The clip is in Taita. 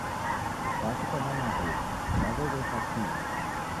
Kwaki kwanyama huw'u kwaw'eghesha kii?